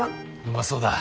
うまそうだ。